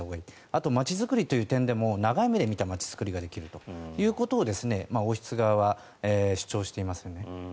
あと、街づくりという点でも長い目で見た街づくりができるということを王室側は主張しています。